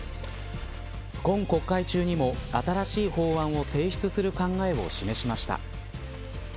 今国会中にも新しい法案を提出する考えを示しました。